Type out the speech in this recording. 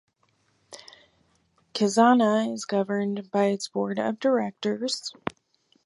Khazanah is governed by its Board of Directors.